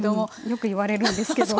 よく言われるんですけど。